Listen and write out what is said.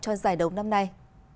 cho giải đấu năm nay